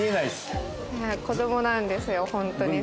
子供なんですよホントに。